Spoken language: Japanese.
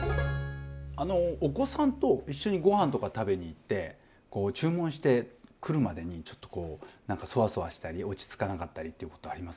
あのお子さんと一緒にご飯とか食べに行って注文して来るまでにちょっとこうなんかそわそわしたり落ち着かなかったりってことあります？